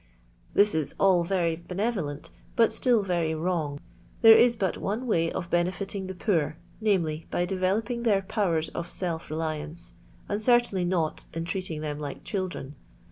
This is all very benevolent, but still very wrong. There is but one way of benefiting the poor, viz., by developing their powers of self reliance, and certainly not in treating them like children.